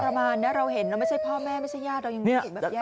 มันประมาณแน่เราเห็นเราไม่ใช่พ่อแม่ไม่ใช่ญาติเรายังมีอยู่แบบแย่